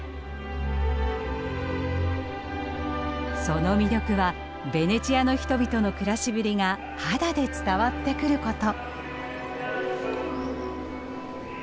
その魅力はベネチアの人々の暮らしぶりが肌で伝わってくること。